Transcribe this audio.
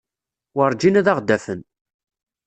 Werǧin ad aɣ-d-afen.